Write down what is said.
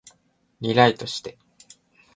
リライトして